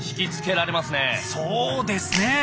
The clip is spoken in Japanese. そうですね！